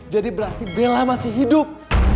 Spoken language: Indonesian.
jadi berarti bella masih hidup